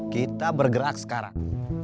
kita bergerak sekarang